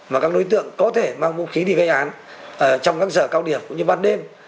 mà các đối tượng có thể mang vũ khí đi gây án trong các giờ cao điểm cũng như ban đêm